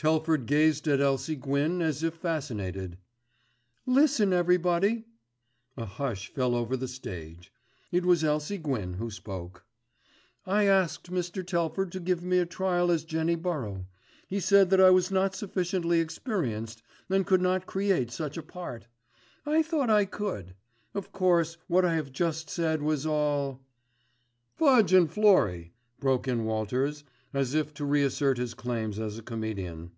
Telford gazed at Elsie Gwyn as if fascinated. "Listen, everybody." A hush fell over the stage. It was Elsie Gwyn who spoke. "I asked Mr. Telford to give me a trial as Jenny Burrow. He said that I was not sufficiently experienced and could not create such a part. I thought I could. Of course what I have just said was all——" "Fudge and Florrie," broke in Walters, as if to reassert his claims as a comedian.